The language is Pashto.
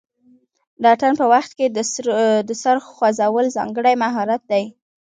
د اتن په وخت کې د سر خوځول ځانګړی مهارت دی.